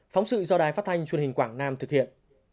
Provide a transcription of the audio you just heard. phóng sự do đài phát thanh truyền hình quảng nam thực hiện